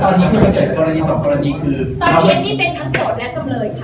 สรุปแล้วตอนนี้คือเกิดกรณีสองกรณีคือตอนนี้เอ็มมี่เป็นทั้งโจทย์และจำเลยค่ะ